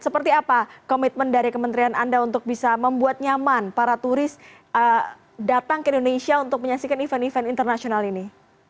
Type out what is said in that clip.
seperti apa komitmen dari kementerian anda untuk bisa membuat nyaman para turis datang ke indonesia untuk menyaksikan event event internasional ini